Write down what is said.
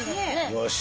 よし。